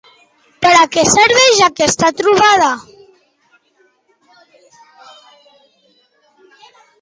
Per a què serveix aquesta trobada?